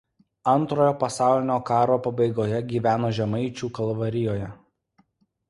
Antrojo pasaulinio karo pabaigoje gyveno Žemaičių Kalvarijoje.